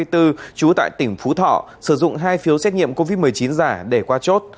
trú tại tỉnh phú thọ sử dụng hai phiếu xét nghiệm covid một mươi chín giả để qua chốt